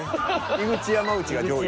井口山内が上位です。